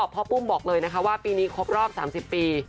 ปุ้มบอกเลยนะคะว่าปีนี้ครบรอบ๓๐ปี